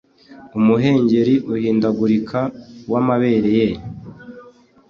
umuhengeri uhindagurika w'amabere ye.